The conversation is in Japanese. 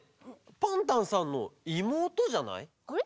パンタンさんのいもうとじゃない？